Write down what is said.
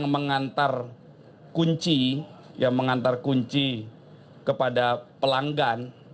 ketika kita mengantar kunci kepada pelanggan